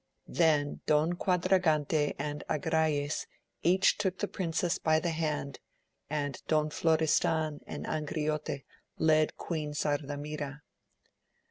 Then Don Quadragante and Agrayes each took the princess by the hand, and Don Florestan and Angriote led Queen Sardamira.